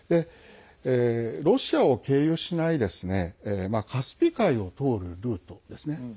ロシアを経由しないカスピ海を通るルートですね。